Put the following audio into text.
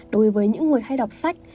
đối với những người hay đọc sách